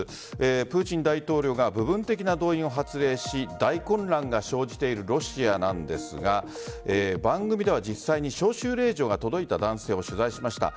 プーチン大統領が部分的な動員を発令し大混乱が生じているロシアなんですが番組では実際に招集令状が届いた男性を取材しました。